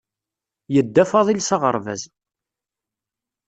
Yedda Faḍil s aɣerbaz.